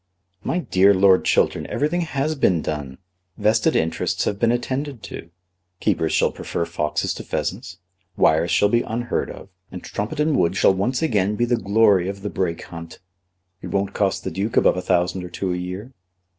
"My dear Lord Chiltern, everything has been done. Vested interests have been attended to. Keepers shall prefer foxes to pheasants, wires shall be unheard of, and Trumpeton Wood shall once again be the glory of the Brake Hunt. It won't cost the Duke above a thousand or two a year."